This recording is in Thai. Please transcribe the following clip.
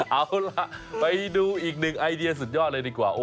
เอาล่ะไปดูอีกหนึ่งไอเดียสุดยอดเลยดีกว่า